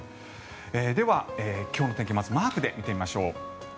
では、今日の天気まずマークで見てみましょう。